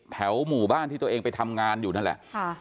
หมู่บ้านที่ตัวเองไปทำงานอยู่นั่นแหละ